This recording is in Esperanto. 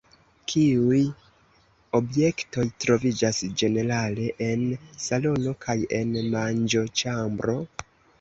Kiuj objektoj troviĝas ĝenerale en salono kaj en manĝoĉambro?